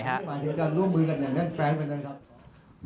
ไม่ได้หมายถึงการร่วมมือกันอย่างนั้นแฟนไปหน่อยครับ